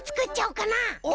お！